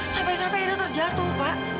sampai sampai akhirnya terjatuh pak